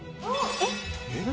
・えっ？